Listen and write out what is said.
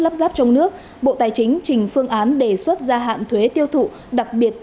lắp ráp trong nước bộ tài chính trình phương án đề xuất gia hạn thuế tiêu thụ đặc biệt